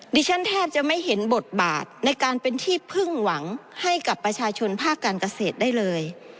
แทบจะไม่เห็นบทบาทในการเป็นที่พึ่งหวังให้กับประชาชนภาคการเกษตรได้เลย